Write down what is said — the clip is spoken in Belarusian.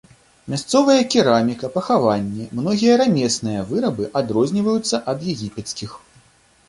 Мясцовыя кераміка, пахаванні, многія рамесныя вырабы адрозніваюцца ад егіпецкіх.